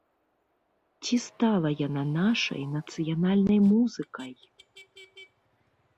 Ці стала яна нашай нацыянальнай музыкай?